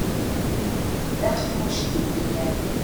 D aqemmuc i t-id-yennan.